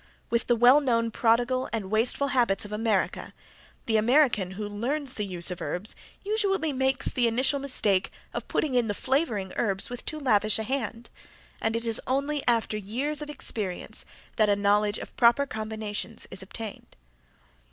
With the well known prodigal and wasteful habits of America the American who learns the use of herbs usually makes the initial mistake of putting in the flavoring herbs with too lavish a hand, and it is only after years of experience that a knowledge of proper combinations is obtained.